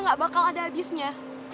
gak bakal ada abisnya